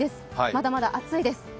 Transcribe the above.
まだまだ暑いです。